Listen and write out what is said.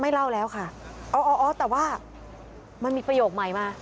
เล่าแล้วค่ะอ๋ออ๋อแต่ว่ามันมีประโยคใหม่มา